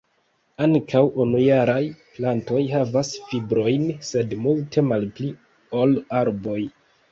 Ankaŭ unujaraj plantoj havas fibrojn, sed multe malpli ol arboj.